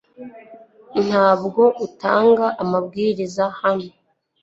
Ntabwo utanga amabwiriza hano .